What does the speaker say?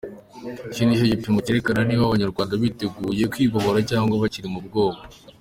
Iki nicyo gipimo cyerekana niba abanyarwanda biteguye kwibohora cyangwa bakiri mu bwoba.